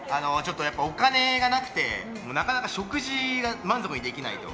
お金がなくてなかなか食事が満足にできないと。